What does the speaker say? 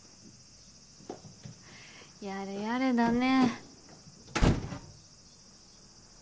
やれやれだね。